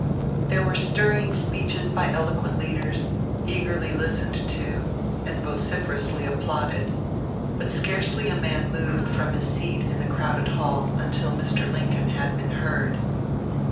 There were stirring speeches by eloquent leaders, eagerly listened to and vociferously applauded; but scarcely a man moved from his seat in the crowded hall until Mr. Lincoln had been heard.